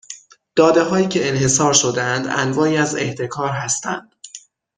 داده هایی که انحصار شده اند، انواعی از احتکار هستند